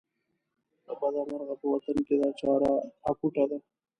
له بده مرغه په وطن کې دا چاره اپوټه ده.